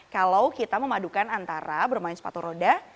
kalau kita memadukan antara bermain sepatu roda